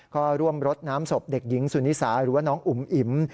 ก็ร่วมรดน้ำศพเด็กหญิงสุนิสาหรือว่าน้องอุ๋มอิ๋ม